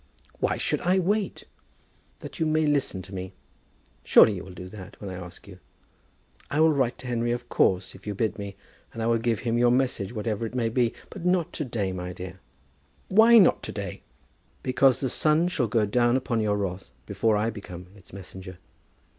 "Why should I wait?" "That you may listen to me. Surely you will do that, when I ask you. I will write to Henry, of course, if you bid me; and I will give him your message, whatever it may be; but not to day, my dear." "Why not to day?" "Because the sun shall go down upon your wrath before I become its messenger.